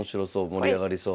盛り上がりそう。